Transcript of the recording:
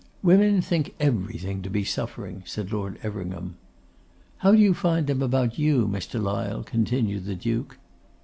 'Women think everything to be suffering!' said Lord Everingham. 'How do you find them about you, Mr. Lyle?' continued the Duke.